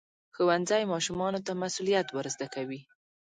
ښوونځی ماشومانو ته مسؤلیت ورزده کوي.